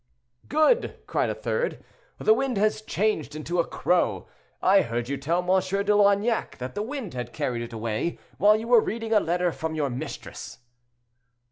"Good!" cried a third, "the wind has changed into a crow. I heard you tell M. de Loignac that the wind had carried it away while you were reading a letter from your mistress."